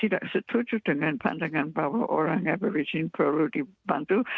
tidak setuju dengan pandangan bahwa orang every perlu dibantu